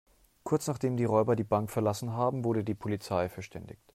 Kurz, nachdem die Räuber die Bank verlassen haben, wurde die Polizei verständigt.